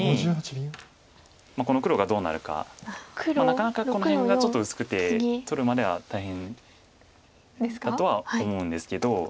なかなかこの辺がちょっと薄くて取るまでは大変だとは思うんですけど。